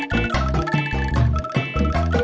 teman kamu sudah pergi semua